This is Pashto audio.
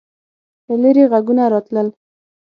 له لیرې غږونه راتلل.